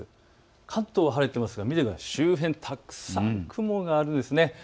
関東は晴れてますが、周辺、たくさん雲があるんですね。